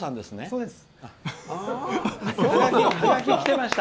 そうです。